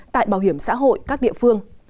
tại bảo hiểm xã hội các địa phương